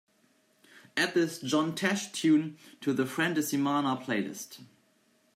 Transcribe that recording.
Add this John Tesh tune to the friendesemana playlist